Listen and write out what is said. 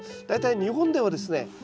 大体日本ではですね